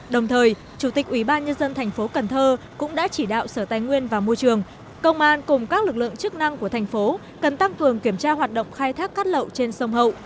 đồng thời chủ tịch ủy ban nhân dân thành phố cần thơ cũng đã chỉ đạo sở tài nguyên và môi trường công an cùng các lực lượng chức năng của thành phố cần tăng cường kiểm tra hoạt động khai thác cát lậu trên sông hậu